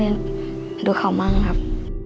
เราก็ต้องเรียนดูข้ามั่งครับ